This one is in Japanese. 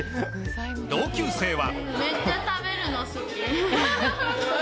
同級生は。